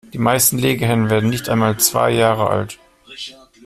Die meisten Legehennen werden nicht einmal zwei Jahre alt.